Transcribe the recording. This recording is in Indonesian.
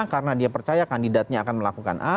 karena dia percaya kandidatnya akan melakukan a